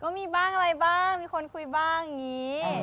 ก็มีบ้างอะไรบ้างมีคนคุยบ้างอย่างนี้